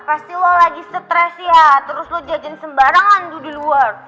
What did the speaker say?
pasti lo lagi stres ya terus lo jajan sembarangan lu di luar